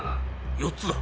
４つだ。